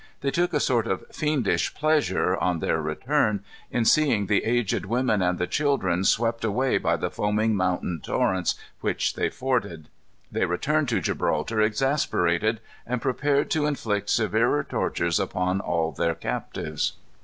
They took a sort of fiendish pleasure, on their return, in seeing the aged women and the children swept away by the foaming mountain torrents, which they forded. They returned to Gibraltar exasperated, and prepared to inflict severer torture upon all their captives.